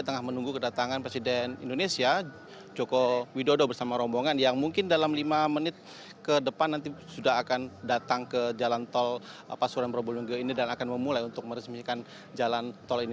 tengah menunggu kedatangan presiden indonesia joko widodo bersama rombongan yang mungkin dalam lima menit ke depan nanti sudah akan datang ke jalan tol pasuruan probolinggo ini dan akan memulai untuk meresmikan jalan tol ini